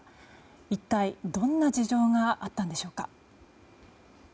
一体どんな事情があったんでしょうか。